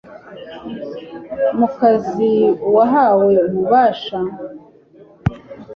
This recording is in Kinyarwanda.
mu kazi uwahawe ububasha